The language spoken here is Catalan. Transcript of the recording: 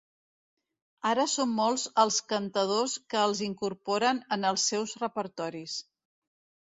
Ara són molts els cantadors que els incorporen en els seus repertoris.